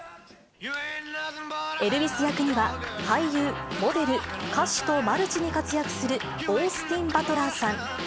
エルヴィス役には俳優、モデル、歌手とマルチに活躍するオースティン・バトラーさん。